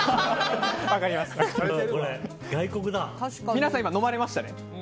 皆さん今、飲まれましたね？